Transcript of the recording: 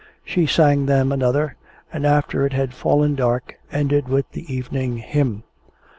She sang them another, and after it had fallen dark ended with the Evening Hymn.